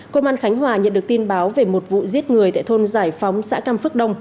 công an khánh hòa nhận được tin báo về một vụ giết người tại thôn giải phóng xã cam phước đông